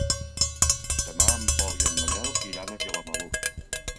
Demà en Pol i en Manel iran a Vilamalur.